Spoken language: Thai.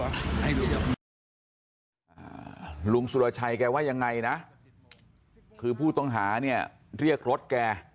ลุงสุรชัยแกว่ายังไงนะคือผู้ต้องหาเนี่ยเรียกรถแก